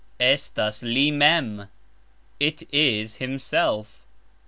Estas li mem! It is himself!